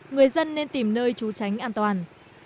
người dân nên tìm nơi trú tránh an toàn